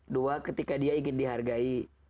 dua ketika dia ingin dihargai